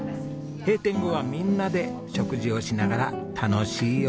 閉店後はみんなで食事をしながら楽しいおしゃべり。